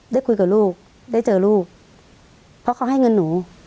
ได้คุยกับลูกได้เจอลูกเพราะเขาให้เงินหนู